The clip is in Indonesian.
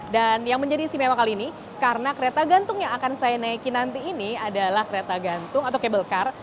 dan yang menjadi istimewa kali ini karena kereta gantung yang akan saya naikin nanti ini adalah kereta gantung atau cable car